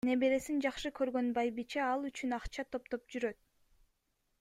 Небересин жакшы көргөн байбиче ал үчүн акча топтоп жүрөт.